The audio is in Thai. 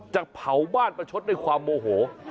จะเผาบ้านประช